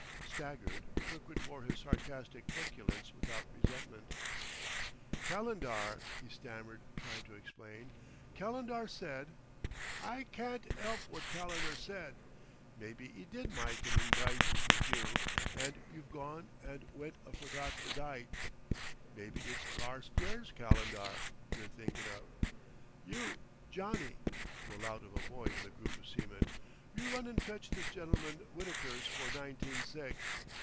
Staggered, Kirkwood bore his sarcastic truculence without resentment. "Calendar," he stammered, trying to explain, "Calendar said " "I carn't 'elp wot Calendar said. Mebbe 'e did myke an engygement with you, an' you've gone and went an' forgot the dyte. Mebbe it's larst year's calendar you're thinkin' of. You Johnny" (to a lout of a boy in the group of seamen), "you run an' fetch this gentleman Whitaker's for Nineteen six.